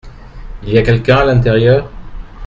Il y a quelqu’un à l’intérieur ?